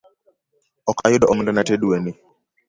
Ok ayudo omendana te dweni